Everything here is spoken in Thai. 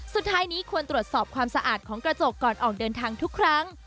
สุดท้ายนี้ควรตรวจสอบความสะอาดของกระจกก่อนออกเดินทางทุกครั้ง